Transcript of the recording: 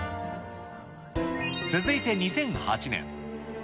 続いて２００８年。